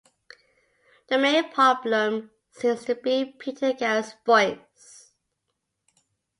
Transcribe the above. The main problem seems to be Peter Garrett's voice.